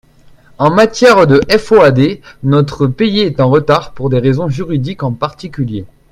En matière de FOAD, notre pays est en retard, pour des raisons juridiques en particulier.